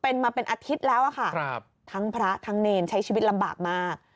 เป็นมาเป็นอาทิตย์แล้วอะค่ะทั้งพระทั้งเนรใช้ชีวิตลำบากมาก